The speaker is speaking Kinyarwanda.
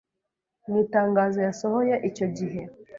Mu itangazo yasohoye icyo gihe